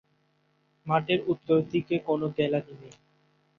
মাঠের উত্তর দিকে কোনো গ্যালারি নেই।